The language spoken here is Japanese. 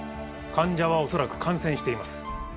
患者は恐らく感染しています。